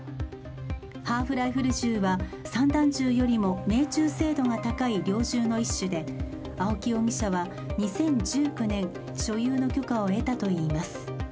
ハーフライフル銃は散弾銃よりも命中精度が高い猟銃の一種で青木容疑者は２０１９年、所有の許可を得たといいます。